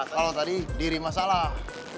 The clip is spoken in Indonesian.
kalau tadi diri masalah